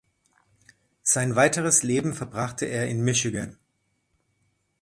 Sein weiteres Leben verbrachte er in Michigan.